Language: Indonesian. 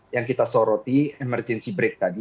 yang kita soroti emergency break tadi